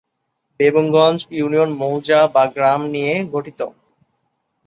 Begumganj union মৌজা/গ্রাম নিয়ে গঠিত।